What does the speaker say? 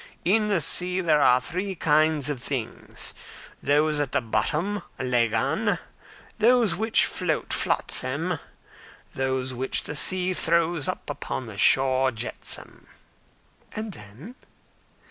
In the sea there are three kinds of things: those at the bottom, lagan; those which float, flotsam; those which the sea throws up on the shore, jetsam." "And then?"